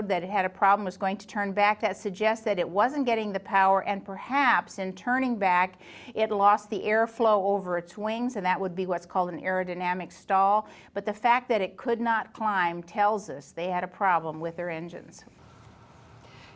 tapi fakta bahwa pesawat itu tidak bisa menyerang memberitahui bahwa mereka memiliki masalah dengan mesin mesinnya